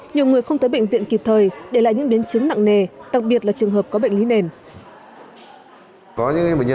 nhiều người không tới bệnh viện kịp thời để lại những biến chứng nặng nề đặc biệt là trường hợp có bệnh lý nền